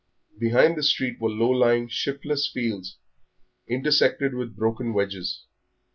Behind the street were low lying, shiftless fields, intersected with broken hedges.